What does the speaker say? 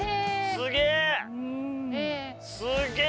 すげえ！